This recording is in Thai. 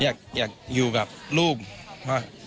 อยากอยู่กับลูกว่า